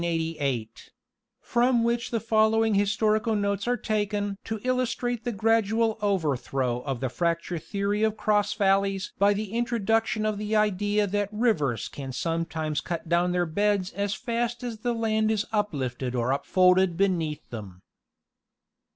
109 nisse in Wien, 1888) from which the following historical notes are taken to illustrate the gradual overthrow of the fracture theory of cross valleys by the introduction of the idea that rivers can sometimes cut down their beds as fast as the land is uplifted or upfolded beneath them.